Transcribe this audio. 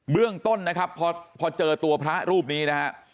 เรื่องต้นนะครับพอเจอตัวพระรูปนี้นะฮะ